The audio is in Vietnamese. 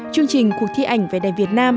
chương trình cuộc thi ảnh vẻ đẹp việt nam